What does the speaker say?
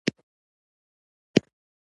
د پوهې او فکر ارزښت نه وي معلوم شوی.